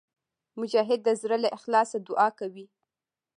مجاهد د زړه له اخلاصه دعا کوي.